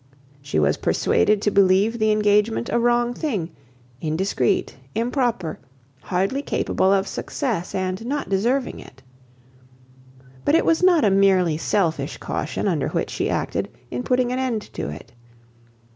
She was persuaded to believe the engagement a wrong thing: indiscreet, improper, hardly capable of success, and not deserving it. But it was not a merely selfish caution, under which she acted, in putting an end to it.